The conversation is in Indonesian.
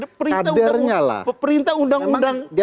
tapi disini perintah undang undang